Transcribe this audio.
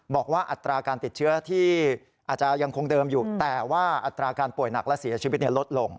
อัตราการติดเชื้อที่อาจจะยังคงเดิมอยู่แต่ว่าอัตราการป่วยหนักและเสียชีวิตลดลง